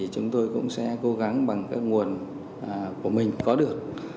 chúng tôi cũng sẽ cố gắng bằng các nguồn của mình có được